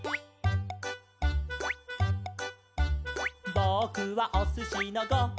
「ぼくはおすしのご・は・ん」